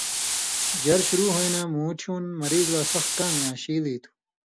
ژر شروع ہویں نہ مُوٹھیُون مریض لا سخ کامیۡ آں شیل ای تُھو۔